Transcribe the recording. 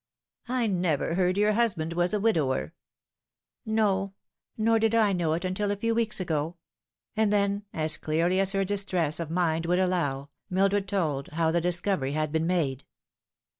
" I never heard your husband was a widower." " No, nor did I know it until a few weeks ago ;" and then, as clearly as her distress of mind would allow, Mildred told how the discovery had been made.